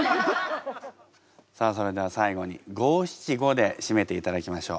さあそれでは最後に五七五で締めていただきましょう。